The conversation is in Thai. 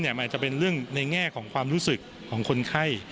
มันอาจจะเป็นเรื่องในแง่ของความรู้สึกของคนไข้